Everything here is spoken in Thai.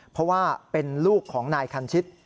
เพราะว่าเป็นลูกของนายคันชิต